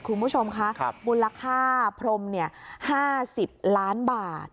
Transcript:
คุณผู้ชมคะมูลค่าพรม๕๐ล้านบาท